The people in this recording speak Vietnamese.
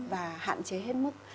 và hạn chế hết mức